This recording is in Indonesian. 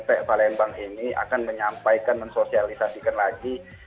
jadi pengusaha pmp palembang ini akan menyampaikan mensosialisasikan lagi